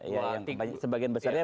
yang sebagian besarnya